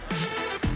ya itu cukup